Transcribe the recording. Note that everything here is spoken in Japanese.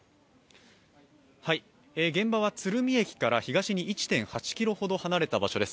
現場は鶴見駅から東に１．８ｋｍほど離れた場所です。